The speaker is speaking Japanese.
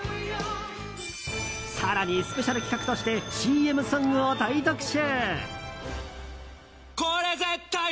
更にスペシャル企画としてＣＭソングを大特集！